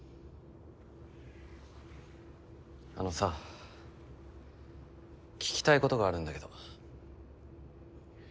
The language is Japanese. あのさ聞きたいことがあるんだけど。